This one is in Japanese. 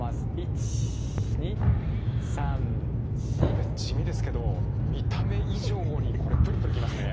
これ地味ですけど見た目以上にこれプルプルきますね。